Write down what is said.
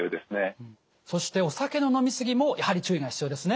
そしてお酒の飲み過ぎもやはり注意が必要ですね？